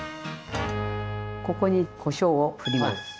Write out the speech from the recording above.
ここにこしょうをふります。